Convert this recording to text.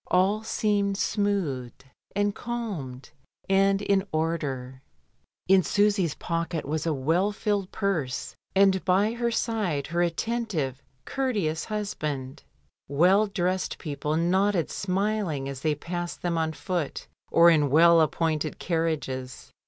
All seemed smoothed, and calmed, and in order. In Susy's pocket was a well filled purse, and by her side her attentive, courteous hus band. Well dressed people nodded smiling as they passed them on foot or in well appointed carriages.